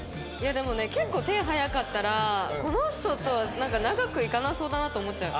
でもね結構手早かったらこの人とは長くいかなそうだなと思っちゃう。